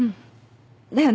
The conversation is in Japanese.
だよね。